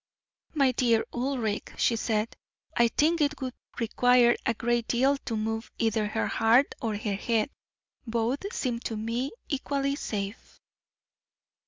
"My dear Ulric," she said, "I think it would require a great deal to move either her heart or her head; both seem to me equally safe."